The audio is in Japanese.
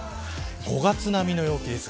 ５月並みの陽気です。